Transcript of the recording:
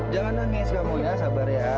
jangan nangis kamu ya sabar ya